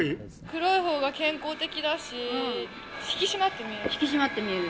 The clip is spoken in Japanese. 黒いほうが健康的だし、引き締まって見える。